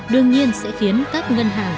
đương nhiên sẽ khiến các ngân hàng